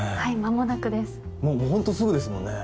もうホントすぐですもんね